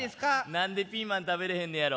何でピーマン食べれへんねやろ？